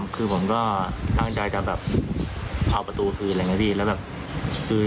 คือผมก็ตั้งใจจะเอาประตูคืน